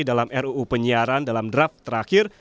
dalam ruu penyiaran dalam draft terakhir